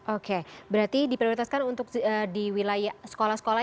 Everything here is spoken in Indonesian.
oke berarti diprioritaskan untuk di wilayah sekolah sekolah